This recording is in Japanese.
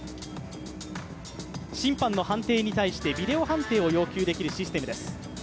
審判の判定に対してビデオ判定を要求できるシステムです。